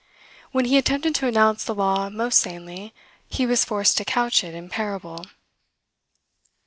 When he attempted to announce the law most sanely, he was forced to couch it in parable.